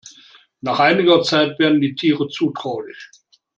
Nach einiger Zeit werden die Tiere zutraulich.